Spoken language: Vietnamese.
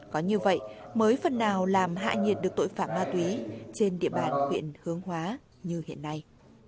có như vậy mới phần nào làm hạ nhiệt được tội phạm ma túy trên địa bàn huyện hướng hóa như hiện nay